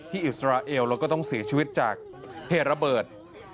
อิสราเอลแล้วก็ต้องเสียชีวิตจากเหตุระเบิด